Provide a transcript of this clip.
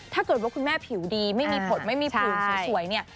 ถ้าเกิดว่าคุณแม่ผิวดีไม่มีผลไม่มีผื่นสวยเนี่ย